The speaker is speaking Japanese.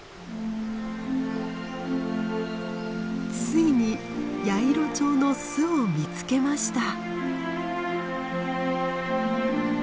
ついにヤイロチョウの巣を見つけました。